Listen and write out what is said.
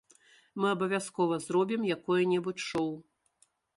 Мы абавязкова зробім якое-небудзь шоў!